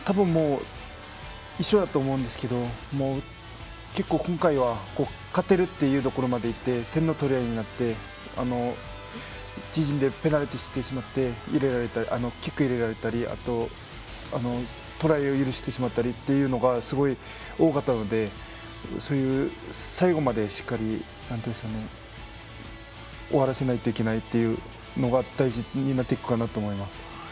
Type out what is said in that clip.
一緒だと思うんですけど結構、今回は勝てるというところまでいって点の取り合いになって、自陣でペナルティーをしてしまってキックを入れられたりトライを許してしまったりがすごい多かったので最後までしっかり終わらせないといけないということが大事になってくるかなと思います。